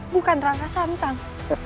bukan raka santang